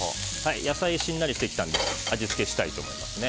野菜、しんなりしてきたので味付けしたいと思います。